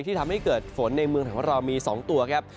ที่ทำให้เกิดฝนในเมืองของเรามี๒ตัวครับ